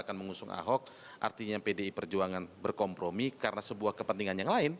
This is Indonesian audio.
dan mengusung ahok artinya pdi perjuangan berkompromi karena sebuah kepentingan yang lain